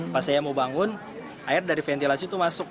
pas saya mau bangun air dari ventilasi itu masuk